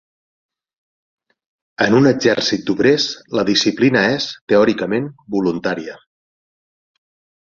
En un exèrcit d'obrers, la disciplina és, teòricament, voluntària.